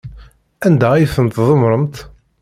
Anda ay tent-tdemmremt?